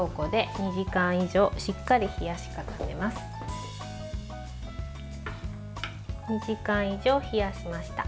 ２時間以上冷やしました。